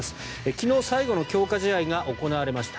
昨日、最後の強化試合が行われました。